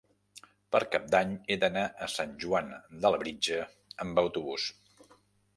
Per Cap d'Any he d'anar a Sant Joan de Labritja amb autobús.